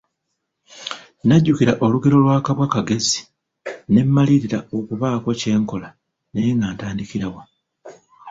Najjukira olugero lwa kabwa kagezi ne mmalirira okubaako kye nkola naye nga ntandikira wa?